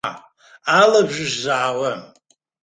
Алабжыш заауам.